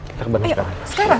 kita ke bandung sekarang